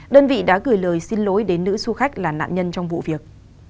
đơn vị đã gửi lời xin lỗi đến nữ du khách là nạn nhân trong vụ việc